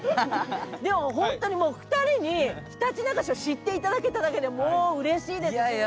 でももうホントにお二人にひたちなか市を知っていただけただけでもううれしいです。